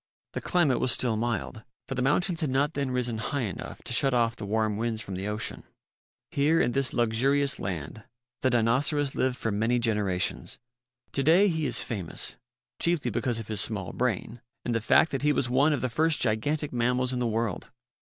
The climate was still mild, for the mountains had not then risen high enough to shut off the warm winds from the ocean. Here, in this luxurious land, the Dinoceras lived for many generations. To day he is famous, chiefly because of his small brain and the fact that he was one of the first gigantic mammals in the world.